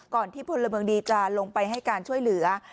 ที่พลเมืองดีจะลงไปให้การช่วยเหลือ